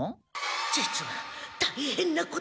実はたいへんなことが！